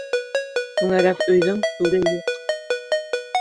Түңәрәк өйҙөң түре юҡ.